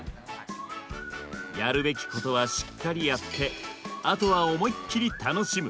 やるべきことはしっかりやってあとは思いっきり楽しむ。